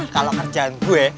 kalau kerjaan gue